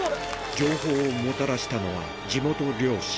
情報をもたらしたのは、地元漁師。